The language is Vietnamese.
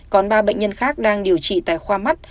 còn ba bệnh nhân khác đang điều trị tại khoa mắt